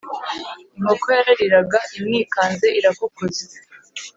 inkoko yarariraga imwikanze irakokoza.